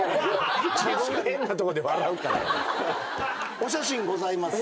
お写真ございます。